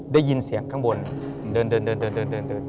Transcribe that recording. ได้ยินเสียงข้างบนเดินเดิน